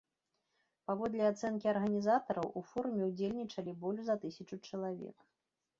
Паводле ацэнкі арганізатараў, у форуме ўдзельнічалі больш за тысячу чалавек.